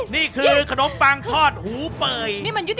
นี่คือขนมปังทอดหูเป่ย